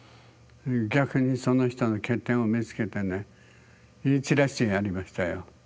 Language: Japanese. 逆にその人の欠点を見つけてね言い散らしてやりましたよ。